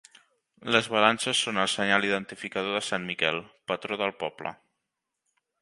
Les balances són el senyal identificador de sant Miquel, patró del poble.